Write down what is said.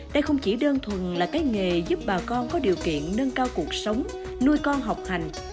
đây không chỉ đơn thuần là cái nghề giúp bà con có điều kiện nâng cao cuộc sống nuôi con học hành